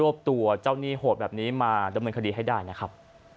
วบตัวเจ้าหนี้โหดแบบนี้มาดำเนินคดีให้ได้นะครับ